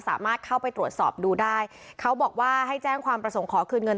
สามารถเข้าไปตรวจสอบดูได้เขาบอกว่าให้แจ้งความประสงค์ขอคืนเงิน